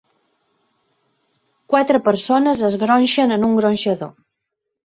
Quatre persones es gronxen en un gronxador.